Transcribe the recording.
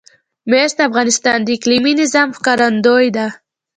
مس د افغانستان د اقلیمي نظام ښکارندوی ده.